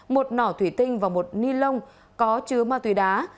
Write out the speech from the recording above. một nỏ thủy tinh và một ni lông có chứa ma túy đá